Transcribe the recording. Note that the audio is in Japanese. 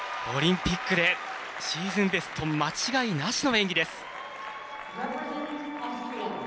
オリンピックでシーズンベスト間違いなしの演技です。